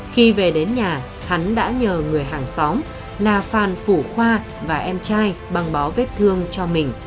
khi về đến nhà hắn đã nhờ người hàng xóm là phan phủ khoa và em trai băng bó vết thương cho mình